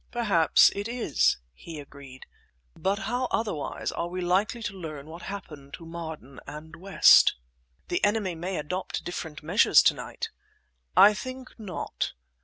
"Perhaps it is," he agreed; "but how otherwise are we likely to learn what happened to Marden and West?" "The enemy may adopt different measures to night." "I think not.